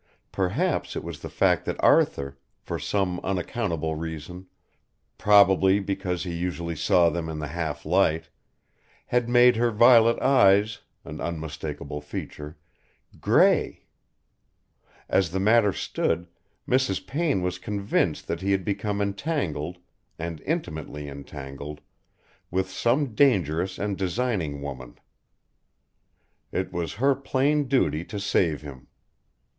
Perhaps it was the fact that Arthur, for some unaccountable reason, probably because he usually saw them in a half light, had made her violet eyes an unmistakable feature grey. As the matter stood Mrs. Payne was convinced that he had become entangled, and intimately entangled, with some dangerous and designing woman. It was her plain duty to save him.